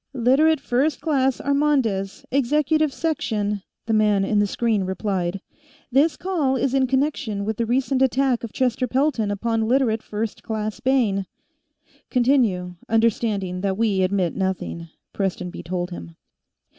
"Literate First Class Armandez, Executive Section," the man in the screen replied. "This call is in connection with the recent attack of Chester Pelton upon Literate First Class Bayne." "Continue, understanding that we admit nothing," Prestonby told him.